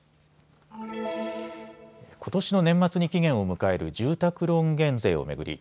ことしの年末に期限を迎える住宅ローン減税を巡り